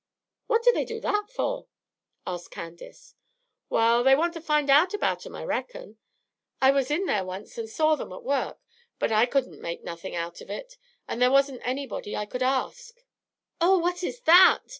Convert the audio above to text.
"What do they do that for?" asked Candace. "Wa'al, they want to find out about 'em, I reckon. I was in there once and saw them at work, but I couldn't make nothing out of it, and there wasn't anybody I could ask." "Oh, what is that?"